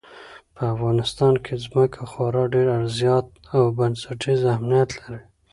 په افغانستان کې ځمکه خورا ډېر زیات او بنسټیز اهمیت لري.